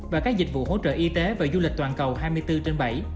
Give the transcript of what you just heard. và các dịch vụ hỗ trợ y tế và du lịch toàn cầu hai mươi bốn trên bảy